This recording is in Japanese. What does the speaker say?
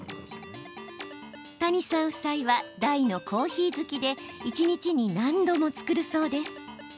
谷さん夫妻は大のコーヒー好きで一日に何度も作るそうです。